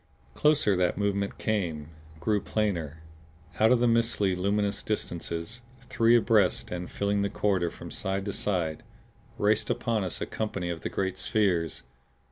Closer that movement came, grew plainer. Out of the mistily luminous distances, three abreast and filling the corridor from side to side, raced upon us a company of the great spheres!